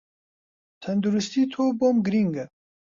تەندروستی تۆ بۆم گرینگە